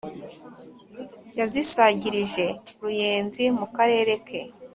yazisagirije ruyenzi, mukarere ke